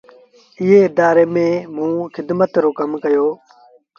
ايئي ادآري ميݩ موݩ کدمت رو با ڪم ڪيو۔